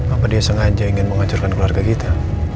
apa dia sengaja ingin menghancurkan keluarga kita